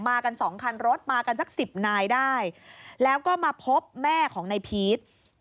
กันสองคันรถมากันสักสิบนายได้แล้วก็มาพบแม่ของนายพีช